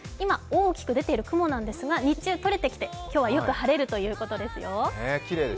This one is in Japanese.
今大きく出ている雲なんですが日中とれてきて今日はよく晴れるということですよ。